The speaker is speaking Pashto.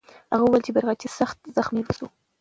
هغه وویل چې بیرغچی سخت زخمي سو.